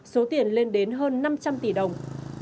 số tiền lên đến hơn năm trăm linh tỷ đồng